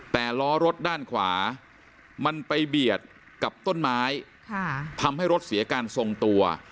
แต่ล้อรถด้านขวามันไปเบียดกับต้นไม้ทำให้รถเสียการทรงตัว